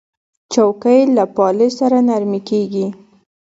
چوکۍ له پالې سره نرمې کېږي.